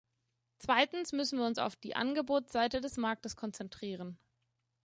Zweitens müssen wir uns auf die Angebotsseite des Marktes konzentrieren.